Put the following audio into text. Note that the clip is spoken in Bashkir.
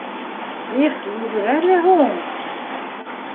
Их, йүгерә лә һуң!